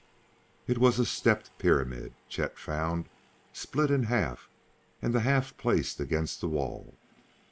It was a stepped pyramid, Chet found, split in half and the half placed against the wall.